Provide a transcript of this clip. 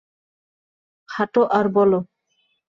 হাঁটো আর বল।